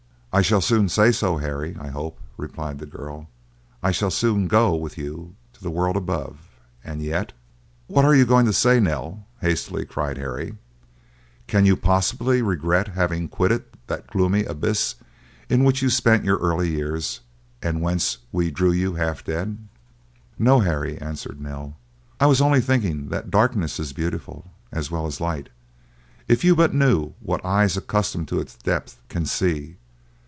'" "I shall soon say so, Harry, I hope," replied the girl; "I shall soon go with you to the world above; and yet—" "What are you going to say, Nell?" hastily cried Harry; "can you possibly regret having quitted that gloomy abyss in which you spent your early years, and whence we drew you half dead?" "No, Harry," answered Nell; "I was only thinking that darkness is beautiful as well as light. If you but knew what eyes accustomed to its depth can see!